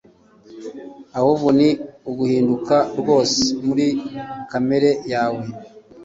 ahubwo ni uguhinduka rwose muri kamere yawe.